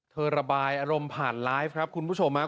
ระบายอารมณ์ผ่านไลฟ์ครับคุณผู้ชม